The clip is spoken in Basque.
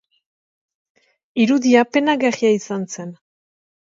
Irudia penagarria izan zen.